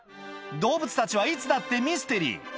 動物たちはいつだってミステリー